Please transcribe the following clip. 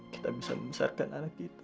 kita bisa membesarkan anak kita